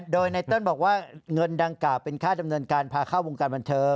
โดยไนเติ้ลบอกว่าเงินดังกล่าวเป็นค่าดำเนินการพาเข้าวงการบันเทิง